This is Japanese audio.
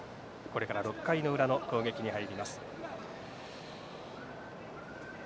これから６回の裏の攻撃に入ります。